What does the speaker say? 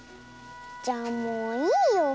じゃあもういいよ。